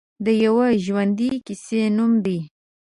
د یوې ژوندۍ کیسې نوم دی.